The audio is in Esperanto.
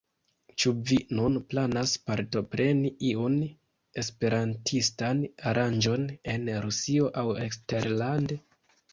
Ĉu vi nun planas partopreni iun esperantistan aranĝon en Rusio aŭ eksterlande?